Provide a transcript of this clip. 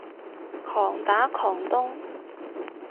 狂打狂咚